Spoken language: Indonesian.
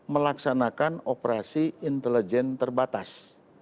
melaksanakan operasi intelijen terbatas